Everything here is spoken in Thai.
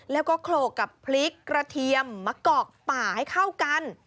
แล้วก็โขลกกับพริกกระเทียมมะกอกป่าให้เข้ากัน